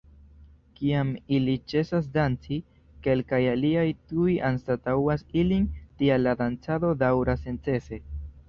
Kiam ili ĉesas "danci", kelkaj aliaj tuj anstataŭas ilin, tial la dancado daŭras senĉese.